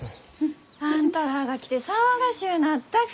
あんたらあが来て騒がしゅうなったき。